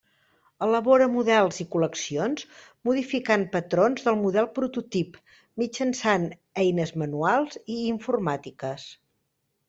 Elabora models i col·leccions modificant patrons del model prototip mitjançant eines manuals i informàtiques.